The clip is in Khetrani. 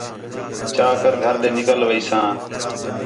چا کر گھر ݙے نِکل ویساں